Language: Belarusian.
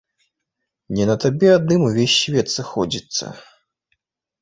Не на табе адным увесь свет сыходзіцца.